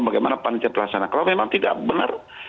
bagaimana panitia terlaksana kalau memang tidak benar